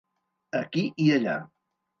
Aquí i allà.